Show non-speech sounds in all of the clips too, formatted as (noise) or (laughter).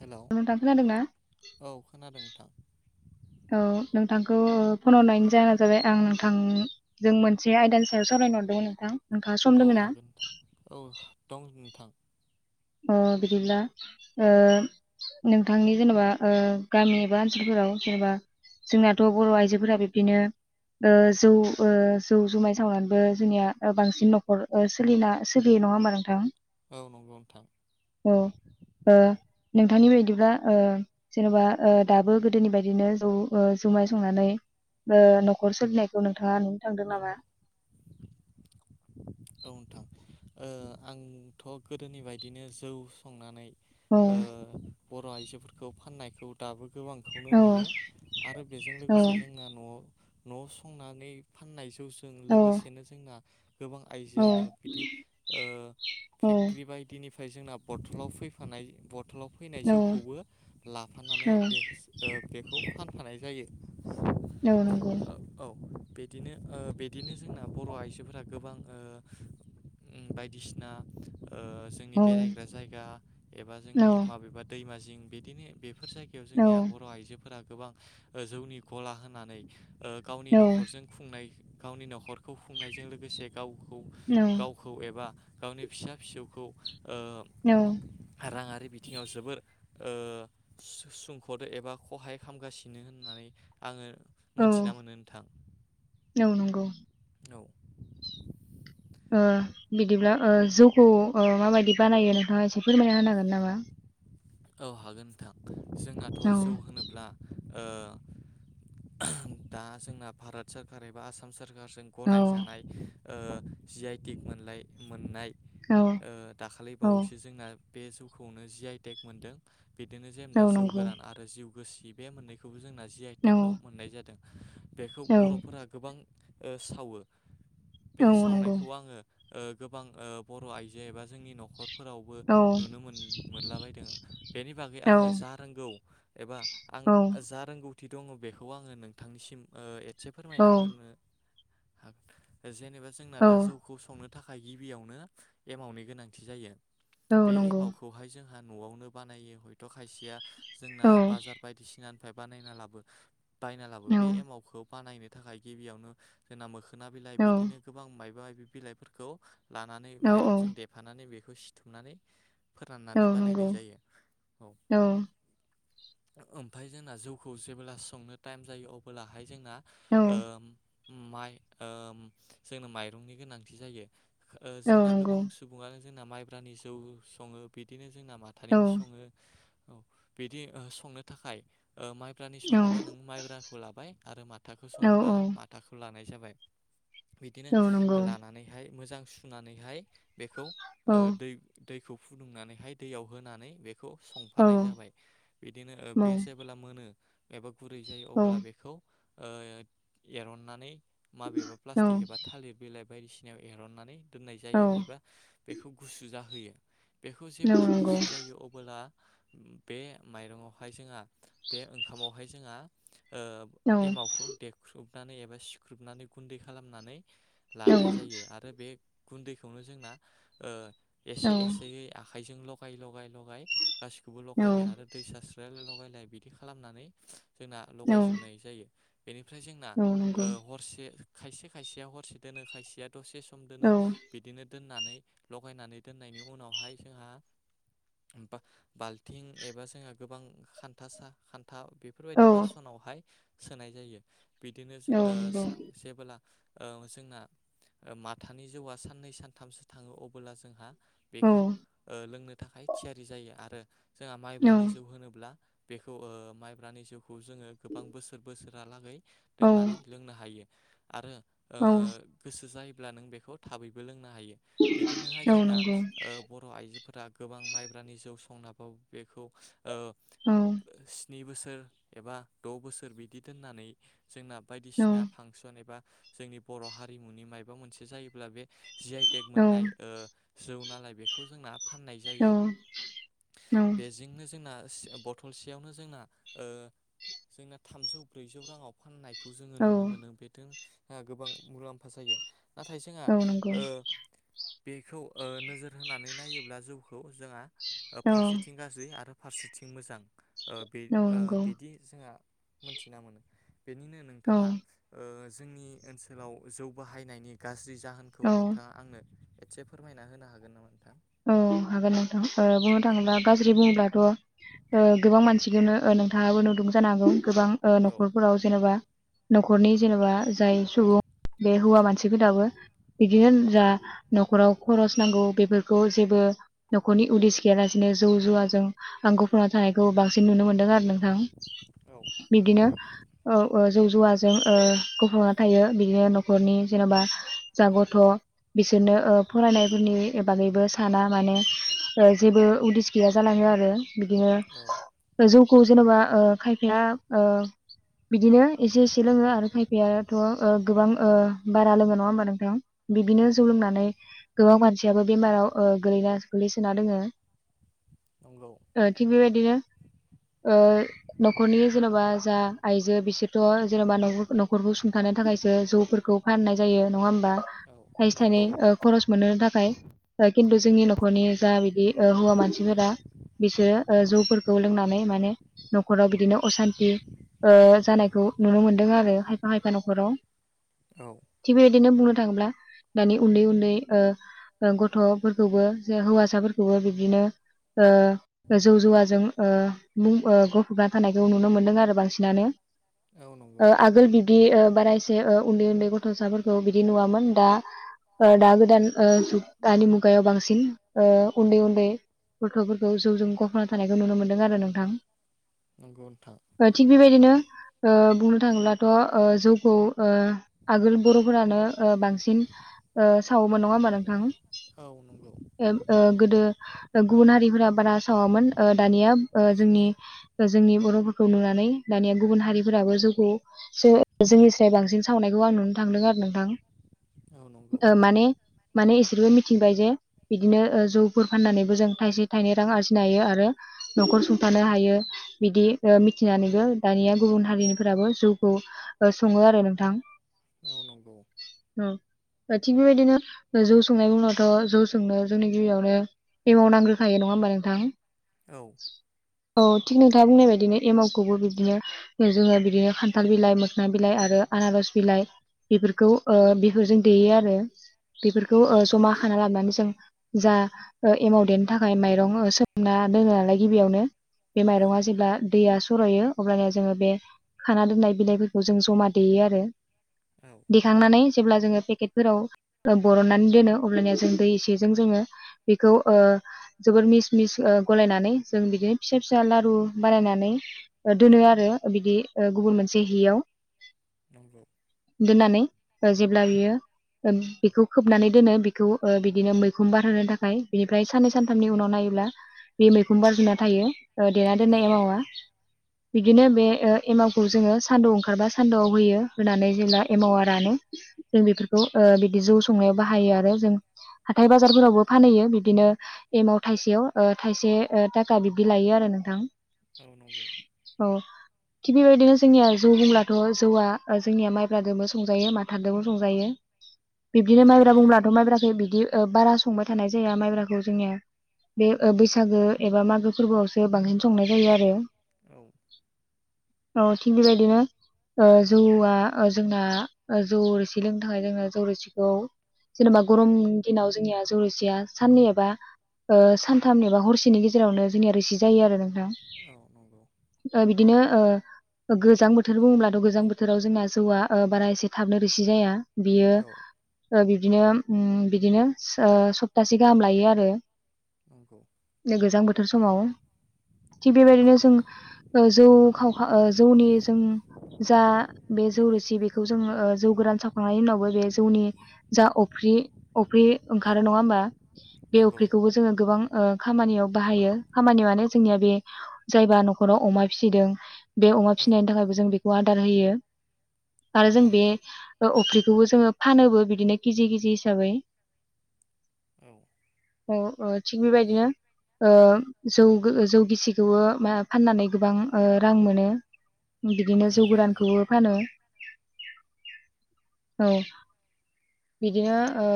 Hello नोंथां खोनादोंना? औ खोनादों नोंथां औ नोंथां। (unintelligible) फन हरनायनि जाहोना जाबाय आं नोंथांजों मोनसे आयदानि सायाव सावरायनो हरदोंमोन नोंथां। नोंथाङा सम औ दोङो ना हागोन नोंथां औ दं नोंथां। अ बिदिब्ला ओ नोंथांनि जेनोबा ओ गामि एबा ओनसोलफोराव जेनोबा जोंनाथ' बर' आइजोफोरा बिब्दिनो ओ जौ ओ जौ जुमाय सावनानैबो जोंनिया ओ बांसिन न'खर सोलिना सोलियो नङा होमबा नोंथां? औ नंगौथ'। औ ओ। नोंथांनि बायदिब्ला ओ जेनोबा ओ दाबो गोदोनि बायदिनो जौ जुमाय संनानै ओ न'खर सोलिनायखौ नोंथाङा नुनो थांदों नामा? औ नोंथां ओ आंथ' गोदोनि बायदिनो जौ संनानै औ बर' आइजोफोरखौ फाननायखौ दाबो गोबांखौनो औ नुयो आरो बेजों लोगोसे जोंना न'वाव न'वाव संनानै फाननाय जौजों औ लोगोसेनो जोंना गोबां औ आइजोआनो बिदि ओ औ फेक्ट्रि बायदिनि फ्राय जोंना बथलाव फैफानाय ब टलाव फैनाय औ जौखौबो लाफानानै बेखस बेखौ फान फानाय जायो। नंगौ नंगौ। ओ- औ बिदिनो ओ बिदिनो जोंना बर' आइजोफोरा गोबां ओ उम बायदिसिना ओ जोंनि औ बेरायग्रा जायगा एबा औ जोंनि माबेबा दैमा जिं बिदिनो बे फोर जायगायाव औ जोंनिया बर' आइजोफोरा गोबां ओ जौनि गला होनानै ओ गावनि औ न'खरजों खुंनाय गावनि न'खरखौ खुंनायजों लोगोसे गाव गावखौ एबा गावनि फिसा फिसौखौ ओ राङा रि बिथिङाव जोबोरो सु सु सुंख'दो एबा सहाय खालामामगासिनो होननानै आङो औ मोनथिना मोनो नोंथां। औ नंगौ औ। ओ बिदिब्ला ओ जौखौ ओ माबायदि बानायो नोंथाङा एसे फोरमायना होनो हागोन नामा? औ हागोन नोंथां। जोंहाथ' औ जौ होनोब्ला ओ दा जोंना भारत सरकार एबा आसाम सोर कारजों औ गनाय जानाय ओ जि आइ टेग मोनलाय मोननाय ओ औ दाखालि औ बावैसो जोंना बे जौखौनो जि आइ टेक मोनदों। बिदिनो जेनोबा औ जौ नंगौ गोरान आरो जिउ गोसि बे मोननैखौबो जोंना जि आइ औ टेकाव मोननाय जादों। बेखौ औ बर'फोरा गोबां ओ सावो बे औ नंगौ सावनायखौ आङो ओ गोबां ओ बर' आइजो एबा जोंनि न'खरफोरावबो औ नुनो मोन मोनलाबायदों। बेनि बागै औ आङो जा रोंगौ एबा आं औ जा रोंगौ थि दङ बेखौ आङो नोंथांनिसिम ओ एसे फोरमायना औ होनो जेनेबा जोंना औ दा जौखौ संनो थाखाय गिबियावनो एमावनि गोनांथि जायो औ बे नंगौ एमावखौहाय जोंहा न'वावनो बानायो हयथ' खायसेया जोंना औ बाजार बायदिसिनानिफ्राय बानायना लाबो बायना लाबो औ बे एमावखौ बानायनो थाखाय गिबियावनो जोंना मोखो ना बिलाइ औ बिदिनो गोबां मायबा मायबि बिलाइफोरखौ लानानै औ माइरंजों देफानानै सिथुमनानै औ फोराननानै नंगौ बानायनाय जायो औ ओमफाय जोंना जौखौ जेब्ला संनो टाइम जायो अब्लाहाय जोंना औ ओ माइ ओ जोंनो माइरंनि गोनांथि जायो‌। औ जोंना नंगौ गोबां सुबुङानो जोंना माइब्रानि जौ सङो बिदिनो जोंना औ माथानिबो स ङो बिदि संनो थाखाय ओ माइब्रानि औ संनोबा नों माइब्राखौ लाबाय आरो माथाखौ औ संनोबा माथाखौ लानाय जाबाय बिदिनो औ नंगौ औ नंगौ लानानैहाय मोजां सुनानैहाय बेखौ औ दै-दैखौ फुदुंनानैहाय दैयाव होनानै बे खौ औ नंगौ औ नंगौ औ नंगौ औ संफानाय जाबाय बिदिनो बे जेबोला मोनो एबा गुरै जायो अब्ला बेखौ ओ एरननानै माबेबा प्लास्टिक एबा थालिर बिलाइ बायदिसिनायाव एरननानै दोननाय जायो एबा बेखौ गुसु जाहोयो बेखौ जेब्ला गुसु जायो अ बा बे माइरंखौहाय जोंहा बे ओंखामावहाय जोंहा ओ एमावखौ देख्रुबनानै एबा सिख्रुबनानै गुन्दै खालामनानै लानाय जायो आरो बे गुन्दैखौनो जोंना ओ एसे एसेयै आखाइजों लगाय लगाय लगाय गासिखौबो लगायो आरो दै सारस्रो आरो लगायलाय बिदि खालामनानै जोंना लगायजोबनाय जायो बेनिफ्राय जोंना हरसे खायसे खायसेया हरसे दोनो खायसेया दसे सम दोनो बिदिनो दोननानै लगायनानै दोननायनि उनावहाय जोंहा ओम बा बाल्थिं एबा जोंहा गोबां खान्थासा खान था बेफोरबायदि बासनावहाय सोनाय जायो। बिदिनो सो ओ सा जेबोला ओं जोंना ओ माथानि जौआ साननै सानथामसो थाङो अबोला जोंहा बेखौ ओ लोंनो थाखाय थियारि जायो आरो जोंहा माइब्रानि जौ होनोब्ला बेखौ ओ माइब्रानि जौउखौ जोङो गोबां बोसोर बोसोरालागै दोननानै लोंनो हायो आरो ओ गोसो जायोब्ला नों बेखौ थाबैबो लों नो हायो बिदिनोहाय जोंना ओ बर' आइजोफोरा गोबां माइ ब्रानि जौ संनाबाव बेखौ ओ सि नि बोसोर एबा द' बोसोर बिदि दोननानै जोंना बायदिसिना फांसन एबा जोंनि बर' हारिमुनि मायबा मोनसे जायोब्ला बे जि आइ टेक मोननाय ओ जौ नालाय बेखौ जोंना फाननाय जायो बेजोंनो जोंना सेयाव बथलसेयावनो जोंना ओ जोंना थामजौ ब्रैजौ राङाव फाननाय खौ जोङो नुनो मोनो बेथों ओ गोबां मुलाम्फा जायो। नाथाय औ जोंहा औ नंगौ ओ बेखौ ओ नोजोर होनानै नायोब्ला जौखौ जोंहा ओ औ फारसेथिं गाज्रि आरो फारसेथिं मोजां। ओ बे ओ नंगौ बिदि जोंहा मोनथिना मोना बेनिनो औ नोंथाङा ओ जोंनि ओनसोलाव जौ बाहायनायनि गाज्रि जाहोनखौ औ नोंथाङा आंनो एसे फोरमायना होनो हागोन नामा नोंथां? औ हागोन नोंथां ओ बुंनो औ थाङोब्ला गाज्रि बुङोबाथ' ओ गोबां मानसिखोनो ओ नोंथाङाबो नुदुं जानो हागौ गोबां ओ औ न'खरफोराव जेनेबा न'खरनि जेनेबा जाय सुबुं बे हौवा मानसिफोराबो बिदिनो जा न'खराव खरस नांगौ बेबो खौ जेबो न'खरनि उदिेस गैयालासेनो जौ जुवाजों आं गफना थानायखौ बांसिन नुनो मोन्दों। आरो नोंथां बिदिनो औ ओ जौ जुवाजों ओ गुफुंना थायो बिदिनो न'खरनि जेनेबा जा गथ' बिसोरनो ओ फरायनायफोरनि (unintelligible) बागैबो साना माने ओ जेबो उदिस गैया जालाङो आरो बिदिनो औ जौखौ जेनेबा ओ खायफाया ओ बिदिनो एसे एसे लोङो आरो खायफाथ' ओ गोबां ओ बारा लोङो नङा होमबा नोंथां बिदिनो औ जौ नंगौ लोंनानै गोबां मानसि बेमाराव ओ गोलैना गोलैसोना दोङो नंगौ ओ थिग बेबायदिनो ओ न'खरनि जेन'बा जा आइजो बिसोरथ' जेनेबा न' न'खरबो सुंथाना नो थाखायसो जौ फोरखौ फाननाय जायो नङा होमबा औ थाइसे थाइनै नंगौ ओ खरस मोननो थाखाय ओ खकन्थु जोंनि न'खरनि जा बिदि हौवा मानसिफोरा बिसोरो ओ जौफोरखौ लोंनानै माने न'खराव बिदिनो असान्थि ओ जानायखौ नुनो मोनदों आरो खायफा खायफा न'खराव औ बिदिनो बुंनो थाङोब्ला दानि उन्दै उन्दै ओ ओ गथ'फोरखौबो जे हौवासाफोरखौबो बिब्दिनो ओ जौ जुवाजों ओ मुं गफबना थानायखौ नुनो मोनदों आरो बांसिनानो औ नंगौ ओ आगोल बिब्दि ओ बारा एसे ओ उन्दै उन्दै गथ'साफोरखौ बिदि नुवामोन दा ओ दा गोदान ओ दानि मुगायाव बांसिन ओ उन्दै उन्दै गथ'फोरखौ जौजों गख'ना थानायखौ नुनो मोन्दों आरो नोंथां नंगौ नोंथां ओ थिग बेबायदिनो ओ बुंनो थाङोब्लाथ' ओ जौखौ आगोल बर'फोरानो बांसिन ओ सावोमोन नङा होमबा नोंथां औ नंगौ ओग ओ गोदो गुबुन हारिफोरा बारा सावामोन ओ दानिया ओ जोंनि जोंनि बर'फोरखौ नुनानै। नै दानिया गुबुन हारिफोराबो जौखौ सो जोंनि साय बांसिन सावनायखौ आं नुनो थांदों आरो नोंथां। औ नंगौ। ओ माने माने इसोइबो मि थिबाय जे बिदिनो जौफोर फाननानैबो जों थायसे थाइनै रां आरजिनो हायो आरो न'खर सुंथा थानो हायो बिदि ओ मिथिनानैबो दानिया गुबुन हारिनिफोराबो जौखौ ओ सङो। आरो नोंथां। औ नंगौ। ओ थिग बेबायदिनो जौ संनायनि उनाव थ' जौ संनो जोंनो गिबियावनो एमाव नांग्रोखायो नङा होमबा नोंथां। औ। औ थिग नोंथाङा बुंनाय बायदिनो एमावखौबो बिदिनो जोङो बिदिनो खान्थाल बिलाइ, मोखोनां बिलाइ आरो आनारस बिलाइ बेफोरखौ ओ बेफोरजों देयो आरो बेफोरखौ ओ नंगौ जमा। नोंथां खाना लाबोनानै जों जा ओ एमाव देनो थाखाय माइरं सोमना दोनो नालाय गिबियावनो। बे औ माइरंआ जेब्ला दैया। सरायो अब्लनिया जोङो बे खाना दोननाय बिलाइफोरखौ जों जमा देयो आरो। औ दिखांनानै जेब्ला जोङो पेकेटफोराव ओ बरननानै दोनो। अब्लानिया जों दै इसेजों जोङो बेखौ ओ। जोबोर मिस मिस ओ गलायनानै जों बिदिनो फिसा फिसा लारु बानायनानै ओ दोनो आरो ओ बिदि ओ गुबुन मोनसे हियाव। नंगौ दोननानै ओ जेब्ला बियो ओ बेखौ खोबनानै दोनो बि खौ ओ बिदिनो मैखुन बारहोनो थाखाय बिनिफ्राय साननै सानथामनि उनाव नायोब्ला। बे मैखुं बारजुबना थायो ओ देना दोननाय औ एमावा। नंगौ बिदिनो बे ओ एमावखौ जोङो सान्दुआव ओंखारबा सान्दुआव होयो होनानै जेब्ला एमावा रानो। जों बेफोरखौ ओ बिदि जौ संनायाव बाहायो आरो जों। हाथाय बाजारफोरावबो फानहैयो बिदिनो एमव थाइसेयाव ओ थाइसे ओ थाखा बिब्दि लायो आरो नोंथां। औ नंगौ। औ थिग बेबायदिनो जोंनिया जौ बुंब्लाथ' जौआ ओ जोंनिया माइब्रादोबो संजायो माथादोबो संजायो। बिब्दिनो नंगौ माइब्रा नोंथां बुंब्लाथ' माइब्राखौ बिदि ओ बारा संबाय थानाय जाया माइब्राखौ जोंनिया। बे ओ बैसागो एबा मागो फोरबोआवसो बांसिन संनाय जायो आरो औ। औ थिग बेबायदिनो। ओ जौआ ओ जोंना ओ जौ रोसि लोंनो थाखाय जोंना जौ रोसिखौ। जेनेबा गरमनि दिनाव जोंनिया जरसेया साननै एबा ओ सानथाम एबा हरसेनि गेजेरावनो जोंनिया रोसि जायो आरो नोंथां। औ नंगौ बिदिनो ओ। ओ गोजां बोथोर बुङोब्लाथ' गोजां बोथोराव जोंना जौआ ओ बारा एसे थाबनो रोसि जाया। बियो औ ओ बिब दिनो उम बिदिनो ओ सपतासे गाहाम लायो आरो। नंगौ नो गोजां बोथोर समाव। थिग बेबायदिनो नंगौ जों नोंथां ओ जौ खावखा ओ जौनि जों। जा बे जौ रोसि बेखौ जोङो ओ जौ गोरान सावखांनायनि उनावबो बे जौनि। जा अफ्रि अफ्रि औ ओंखारो नङा होमबा बे नंगौ अफ्रिखौबो जोङो गोबां ओ। खामानियाव बाहायो खामानि माने जोंनिया बे जायबा न'खराव अमा फिसिदों। बे अमा औ फिसिनायनि थाखायबो जों बेखौ आदार होयो आरो नंगौ जों बे नोंथां ओ अफ्रि। बेखौबो जोङो फानोबो बिदिनो केजि केजि हिसाबै। औ औ ओ थिग बेबायदिनो। ओ जौ गो जौ गिसिखौबो मा फाननानै गोबां ओ रां मोनो। बिदिनो औ जौ नंगौ गोरानखौबो फानो। औ औ बिदिनो ओ।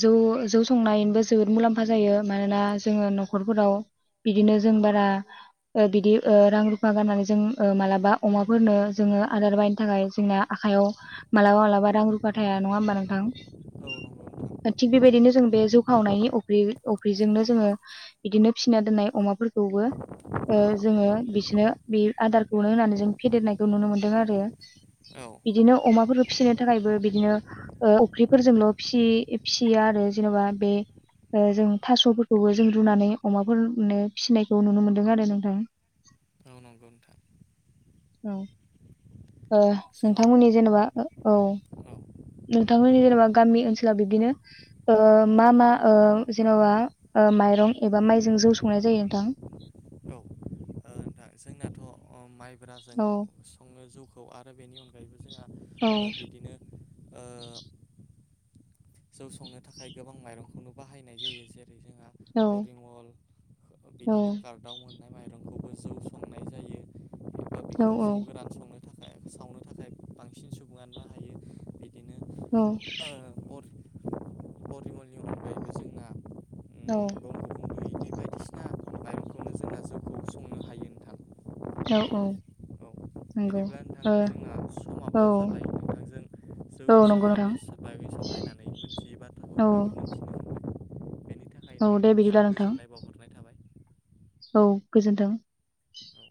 जौ जौ संनायनिबो जोबोद मुलाम्फा जायो मानोना जोङो न'खरफोराव बिदिनो जों बारा बिदि रां रुफा गाननानै जों मालाबा अमाफोरनो जोङो आदार बायनो थाखाय जोंना आखायाव मालाबा मालाबा रां रुफा थाया नङा होमबा नोंथां। नंगौ नोंथां थिग बेबायदिनो जों बे जौ खावनायनिख्रि अफ्रिजोंनो जोङो बिदिनो फिसिना दोननाय अमाफोरखौ गौ जोङो बिसोरनो बे आदारखौनो होनानै जों फेदेरनायखौ नुनो मोनदों आरो औ बिदिनो अमाफोरखौ फिसिनो थाखायबो बिदिनो फख्रिफोरजोंल' फिसियो आरो जेन'बा बे जों थास'फोरखौबो जों रुनानै अमाफोरनो फिसिनायखौ नुनो मोनदों आरो नोंथां (inaudible) औ नंगौ नोंथां। औ जोंना नोंथांमोननि जेनेबा औ औ नोंथां नोंथांमोननि जेनेबा गामि ओनसोलाव बिदिनो मा मा जेनेबा माइरं एबा माइजों जौ संनाय जायो नोंथां दा जोंनाथ' माइब्राजों औ सङो जौखौ आरो बेनि अनगायैबो जोंहा औ बिदिनो जौ संनो थाखाय गोबां माइरंखौनो बाहायनाय जायो जे जेरै जोंहा औ परि मल औ बिदिनो कार्दआव माइरंखौबो जौ संनाय जायो। एबा औ बेखौ औ जौ गोरान संनो थाखाय सावनो थाखाय बांसिन सुबुङानो बाहायो। बिदिनो औ परिमलनि अनगायैबो जोंना औ बंगबन्धु बिदि बायदिसिना माइरंखौनो जोंना जौखौ संनो हायो औ नोंथां। औ औ नंगौ बिदिब्ला नोंथां ओ जोंना औ समाबो जाबाय नोंथां जों जौ औ नंगौ नोंथां संनायनि बागै सावलरायनानै मोनथियै बाथ्राखौ औ जोबोद मिथिनो औ दे बिदिब्ला नोंथां गोजोननाय बावहरनाय थाबाय औ गोजोन्थों औ